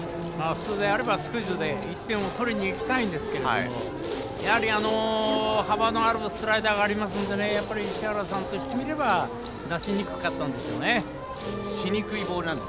普通であればスクイズで１点を取りにいきたいんですけれど幅のあるスライダーがありますので市原さんとしてみれば出しにくかったですね。